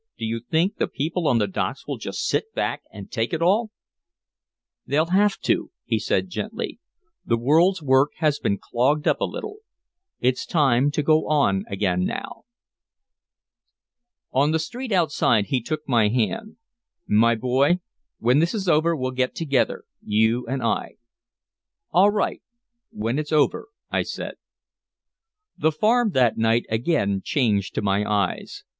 Do you think the people on the docks will just sit back and take it all?" "They'll have to," he said gently. "The world's work has been clogged up a little. It's to go on again now." On the street outside he took my hand: "My boy, when this is over we'll get together, you and I." "All right when it's over," I said. The Farm that night again changed to my eyes.